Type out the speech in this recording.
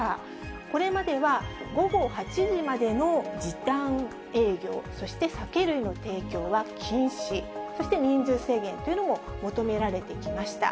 これまでは午後８時までの時短営業、そして酒類の提供は禁止、そして人数制限というのも求められてきました。